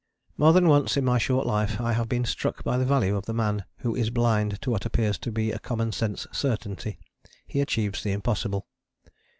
More than once in my short life I have been struck by the value of the man who is blind to what appears to be a common sense certainty: he achieves the impossible.